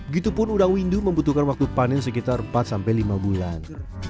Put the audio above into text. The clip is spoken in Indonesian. gitu pun udang windu membutuhkan waktu panen sekitar empat lima bulan